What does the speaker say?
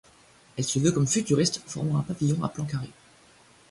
Elle se veut comme futuriste formant un pavillon à plan carré.